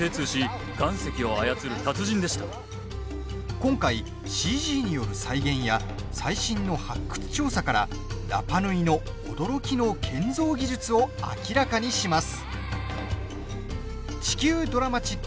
今回ＣＧによる再現や最新の発掘調査からラパ・ヌイの驚きの建造技術を明らかにします。